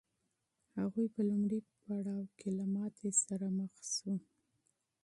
هغوی په لومړي پړاو کې له ناکامۍ سره مخ کېږي.